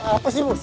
apa sih mus